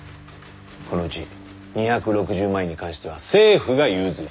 このうち２６０万円に関しては政府が融通する。